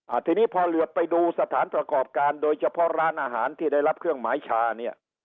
ทีนี้พอเหลือไปดูสถานประกอบการโดยเฉพาะร้านอาหารที่ได้รับเครื่องหมายชาเนี่ย